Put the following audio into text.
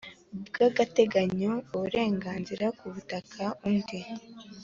bw agateganyo uburenganzira ku butaka undi